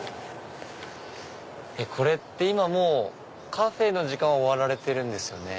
これってもうカフェの時間は終わられてるんですよね？